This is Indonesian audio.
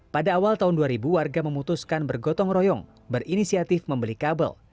pada awal tahun dua ribu warga memutuskan bergotong royong berinisiatif membeli kabel